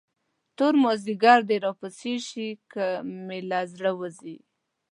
تور مازدیګر دې راپسې شي، که مې له زړه وځې.